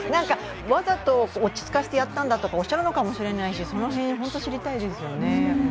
わざと落ち着かせたんだとおっしゃるかもしれないけどその辺、本当に知りたいですよね。